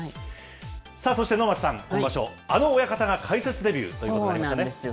さあ、そして能町さん、今場所、あの親方が解説デビューというこそうなんですよ。